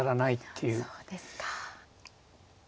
そうですか。